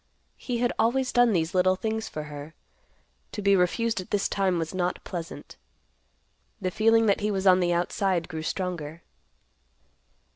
He had always done these little things for her. To be refused at this time was not pleasant. The feeling that he was on the outside grew stronger.